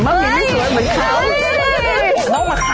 ไม่เหรอมะหมี่ไม่สวยเหมือนเขา